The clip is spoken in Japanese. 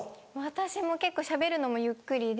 私も結構しゃべるのもゆっくりで。